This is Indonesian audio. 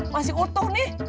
masih utuh nih